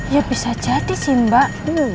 ya bisa jadi sih mbak